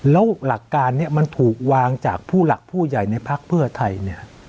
แล้วหลักการนี้มันถูกวางจากผู้หลักผู้ใหญ่ในพักเพื่อไทยเนี่ย